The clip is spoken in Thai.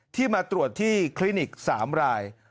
ที่มาตรวจที่คลินิก๓ราย